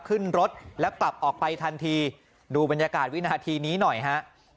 ขึ้นรถแล้วกลับออกไปทันทีดูบรรยากาศวินาทีนี้หน่อยฮะ